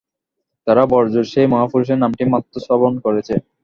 তারা বড়জোর সেই মহাপুরুষের নামটি মাত্র শ্রবণ করেছে।